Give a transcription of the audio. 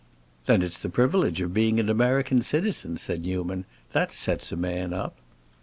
"Then it's the privilege of being an American citizen," said Newman. "That sets a man up."